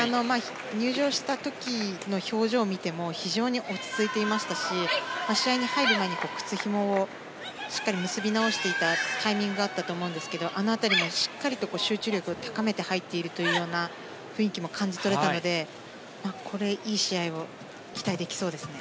入場した時の表情を見ても非常に落ち着いていましたし試合に入る前に靴ひもをしっかり結び直していたタイミングがあったと思うんですがあの辺りもしっかりと集中力を高めて入っているというような雰囲気も感じ取れたのでこれ、いい試合を期待できそうですね。